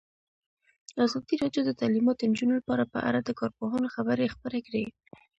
ازادي راډیو د تعلیمات د نجونو لپاره په اړه د کارپوهانو خبرې خپرې کړي.